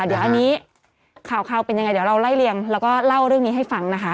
เดี๋ยวอันนี้ข่าวเป็นยังไงเดี๋ยวเราไล่เรียงแล้วก็เล่าเรื่องนี้ให้ฟังนะคะ